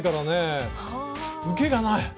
受けがない！